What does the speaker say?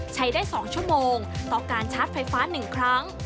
ใช้ได้๒ชั่วโมงต่อการชาร์จไฟฟ้า๑ครั้ง